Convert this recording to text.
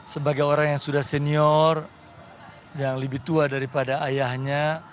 sebagai orang yang sudah senior yang lebih tua daripada ayahnya